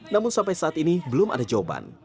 namun sampai saat ini belum ada jawaban